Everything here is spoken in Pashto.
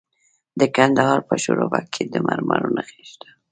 د کندهار په شورابک کې د مرمرو نښې شته.